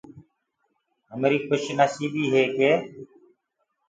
همريٚ کُش نسيٚبيٚ هي ڪي